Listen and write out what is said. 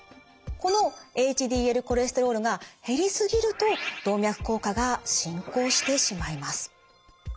このＨＤＬコレステロールが減りすぎると動脈硬化が進行してしまいます。